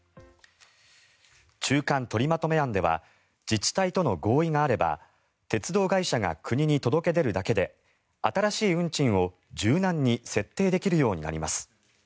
中間取りまとめ案では自治体との合意があれば鉄道会社が国に届け出るだけで新しい運賃を柔軟に設定できるようになります。